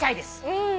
うん。